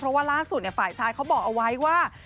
เพราะว่าล่าสุดฝ่ายชายเขาบอกเอาไว้ว่า